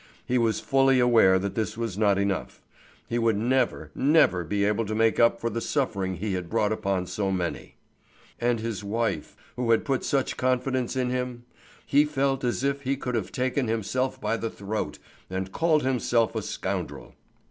He was fully aware that this was not enough. He would never, never be able to make up for the suffering he had brought upon so many. And his wife, who had put such confidence in him? He felt as if he could have taken himself by the throat and called himself a scoundrel.